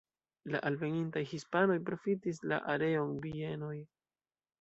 La alvenintaj hispanoj profitis la areon bienoj.